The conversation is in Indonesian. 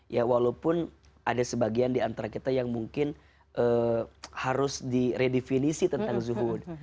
ya walaupun ada sebagian diantara kita yang mungkin harus diredefinisi tentang zuhud